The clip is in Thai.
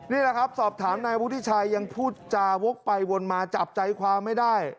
นี่แหละครับสอบถามนายวุฒิชัยยังพูดจาวกไปวนมาจับใจความไม่ได้